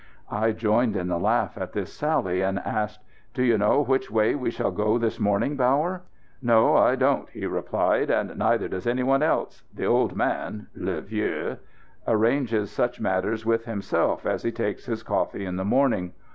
I joined in the laugh at this sally, and asked: "Do you know which way we shall go this morning, Bauer?" "No, I don't," he replied; "and neither does any one else. The 'old man' (le vieux) arranges such matters with himself as he takes his coffee in the morning.